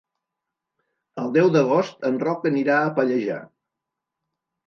El deu d'agost en Roc anirà a Pallejà.